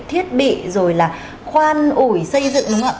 thiết bị rồi là khoan ủi xây dựng đúng không ạ